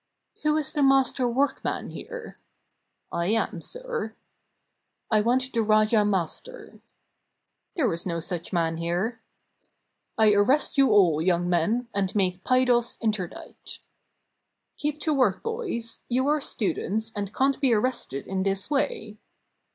"Who is the mas ter workman here?" "I am, sir." "I want the rayah master." "There is no such man here." "I arrest you all, young men, and make 'pydos' interdict." "Keep to work, boys! You are students, and can't be arrested in this way."